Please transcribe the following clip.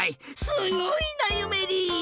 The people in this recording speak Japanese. すごいなゆめり！